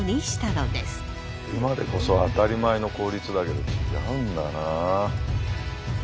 今でこそ当たり前の効率だけど違うんだな。